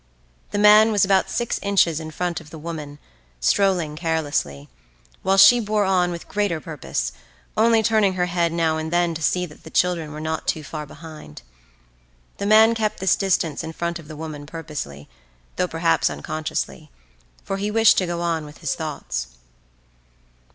The man was about six inches in front of the woman, strolling carelessly, while she bore on with greater purpose, only turning her head now and then to see that the children were not too far behind. The man kept this distance in front of the woman purposely, though perhaps unconsciously, for he wished to go on with his thoughts.